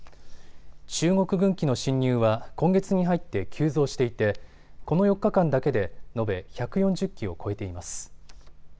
中国軍機の進入は今月に入って急増していてこの４日間だけで延べ１４０機を超えています。